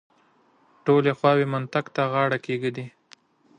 ټولې خواوې منطق ته غاړه کېږدي.